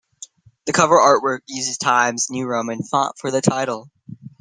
The cover artwork uses Times New Roman font for the title.